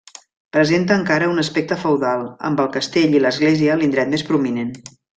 Presenta encara un aspecte feudal, amb el castell i l'església a l'indret més prominent.